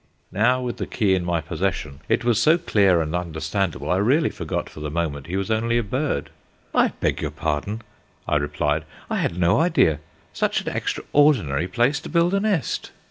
Now, with the key in my possession, it was so clear and understandable, I really forgot for the moment he was only a bird. "I beg your pardon," I replied, "I had no idea. Such an extraordinary place to build a nest."